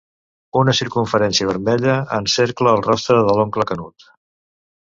Una circumferència vermella encercla el rostre de l'oncle Canut.